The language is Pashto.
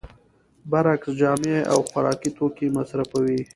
برعکس جامې او خوراکي توکي مصرفوي